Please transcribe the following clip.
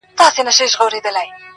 اینه د نني تهذیب دې ښه ده